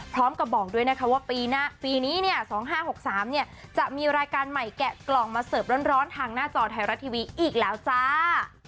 บอกด้วยนะคะว่าปีนี้เนี่ย๒๕๖๓จะมีรายการใหม่แกะกล่องมาเสิร์ฟร้อนทางหน้าจอไทยรัฐทีวีอีกแล้วจ้า